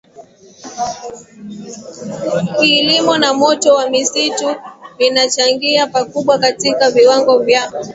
kilimo na moto wa misitu vinachangia pakubwa katika viwango vya